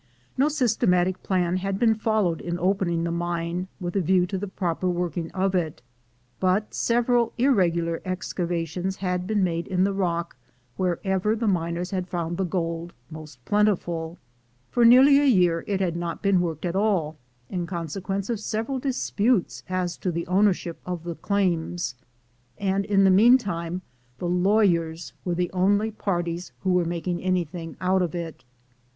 No systematic plan had been followed in opening the mine with a view to the proper working of it; but several irregular excavations had been made in the 306 SONORA AND THE MEXICANS 307 rock wherever the miners had found the gold most plentiful. For nearlj^ a year it had not been worked at all, in consequence of several disputes as to the ownership of the claims; and in the meantime the lawyers were the only parties who were making any thing out of it.